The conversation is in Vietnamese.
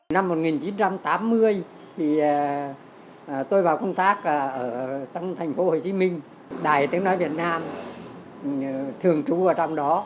năm một nghìn chín trăm tám mươi tôi vào công tác ở thành phố hồ chí minh đài tiếng nói việt nam thường trú ở trong đó